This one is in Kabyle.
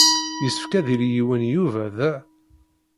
Yessefk ad yili yiwen i Yuba da.